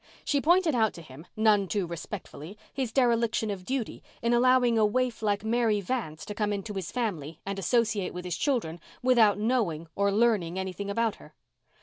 She pointed out to him, none too respectfully, his dereliction of duty in allowing a waif like Mary Vance to come into his family and associate with his children without knowing or learning anything about her.